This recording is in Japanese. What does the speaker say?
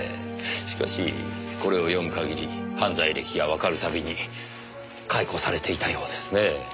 しかしこれを読む限り犯罪歴がわかるたびに解雇されていたようですねぇ。